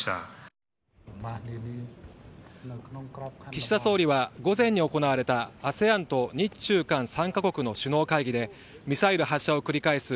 岸田総理は午前に行われたＡＳＥＡＮと日中韓３カ国の首脳会議でミサイル発射を繰り返す